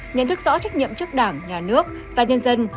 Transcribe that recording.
nhận thức rõ trách nhiệm trước đảng nhà nước và nhân dân